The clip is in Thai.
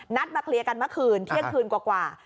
นัดมาเคลียร์กันเมื่อคืนเที่ยงคืนกว่า